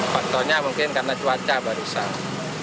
faktornya mungkin karena cuaca barusan